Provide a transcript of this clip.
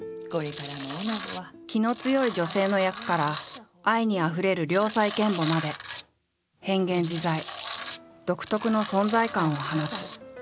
気の強い女性の役から愛にあふれる良妻賢母まで変幻自在独特の存在感を放つ。